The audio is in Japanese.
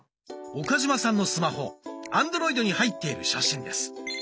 岡嶋さんのスマホアンドロイドに入っている写真です。